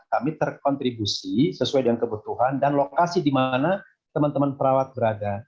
kami terkontribusi sesuai dengan kebutuhan dan lokasi di mana teman teman perawat berada